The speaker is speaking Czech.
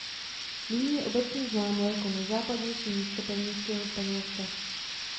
Nyní je obecně známo jako nejzápadnější místo pevninského Španělska.